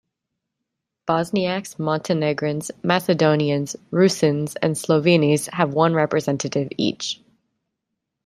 Bosniaks, Montenegrins, Macedonians, Rusyns and Slovenes have one representative each.